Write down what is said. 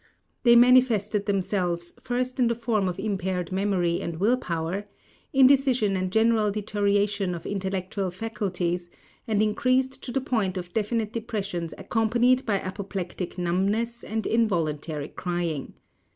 They manifested themselves first in the form of impaired memory and will power, indecision and general deterioration of intellectual faculties and increased to the point of definite depressions accompanied by apoplectic numbness and involuntary crying.